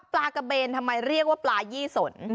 กระเบนทำไมเรียกว่าปลายี่สน